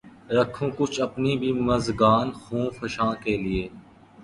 رکھوں کچھ اپنی بھی مژگان خوں فشاں کے لیے